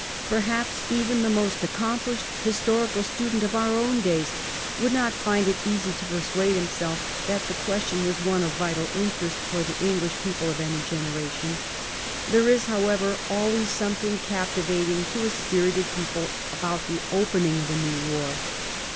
Perhaps even the most accomplished historical student of our own days would not find it easy to persuade himself that the question was one of vital interest for the English people of any generation. There is, however, always something captivating to a spirited people about the opening of a new war.